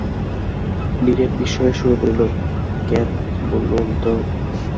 নীরেন বিস্ময়ের সুরে বলিল, কেন বলুন তো?